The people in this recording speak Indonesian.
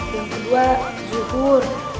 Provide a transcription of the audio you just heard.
yang kedua zuhur